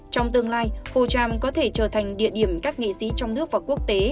trong tương lai hồ tram có thể trở thành địa điểm các nghị sĩ trong nước và quốc tế